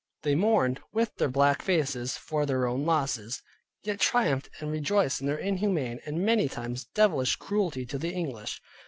They mourned (with their black faces) for their own losses, yet triumphed and rejoiced in their inhumane, and many times devilish cruelty to the English.